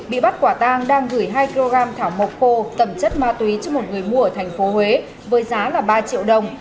bị bắt quả tang đang gửi hai kg thảo mộc khô tẩm chất ma túy cho một người mua ở thành phố huế với giá ba triệu đồng